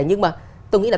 nhưng mà tôi nghĩ là